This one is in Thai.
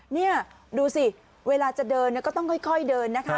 นี่ดูสิเวลาจะเดินก็ต้องค่อยเดินนะคะ